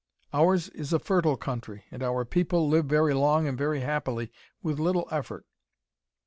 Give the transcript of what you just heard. "Ours is a fertile country, and our people live very long and very happily with little effort.